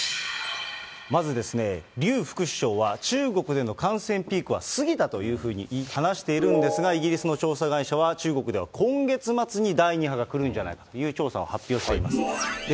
まずですね、りゅう副首相は、中国での感染ピークは過ぎたというふうに話しているんですが、イギリスの調査会社は、中国では今月末に第２波が来るんじゃないかという調査を発表しています。